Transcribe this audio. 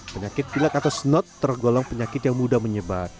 penyakit pilak atau snot tergolong penyakit yang mudah menyebar